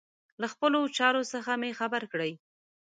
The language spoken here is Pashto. له خپلو چارو څخه مي خبر کړئ.